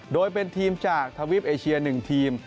โดยเป็นทีมจากทวิปเอเชีย๑ทีม